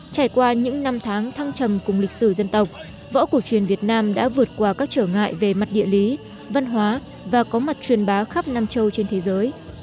trải qua những năm tháng thăng trầm cùng lịch sử dân tộc võ cổ truyền việt nam đã vượt qua các trở ngại về mặt địa lý văn hóa và có mặt truyền bá khắp nam châu trên thế giới